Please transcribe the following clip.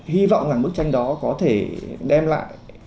hy vọng rằng bức tranh đó có thể đem lại